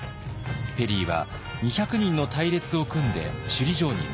ペリーは２００人の隊列を組んで首里城に向かいます。